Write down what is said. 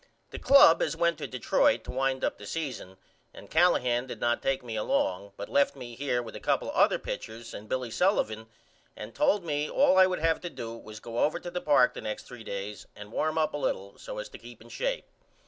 The club has went to Detroit to wind up the season and Callahan did not take me along but left me here with a couple other pitchers and Billy Sullivan and told me all as I would have to do was go over to the park the next 3 days and warm up a little so as to keep in shape.